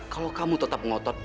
kalau kamu tetap ngotot